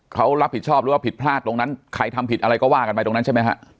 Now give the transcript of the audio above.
เขารับผิดชอบหรือว่าผิดพลาดตรงนั้นใครทำผิดอะไรก็ว่ากันไปตรงนั้นใช่ไหมฮะ